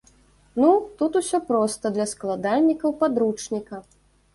Ну, тут усё проста для складальнікаў падручніка.